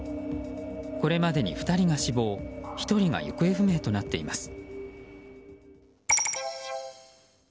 これまでに２人が死亡１人が行方不明となっています。